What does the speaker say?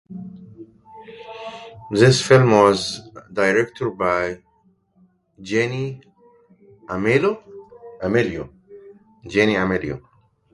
The film was directed by Gianni Amelio.